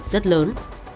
đề xuất rất lớn